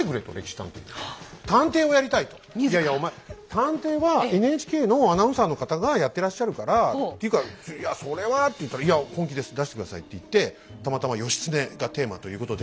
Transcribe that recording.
「いやいやお前探偵はＮＨＫのアナウンサーの方がやってらっしゃるからていうかいやそれは」って言ったら「いや本気です出して下さい」って言ってたまたま「義経」がテーマということで。